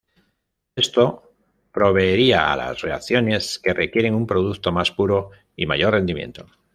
Esto proveería a las reacciones que requieren un producto más puro y mayor rendimiento.